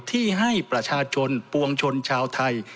ที่ให้ประชาชนปวงชนชาวไทย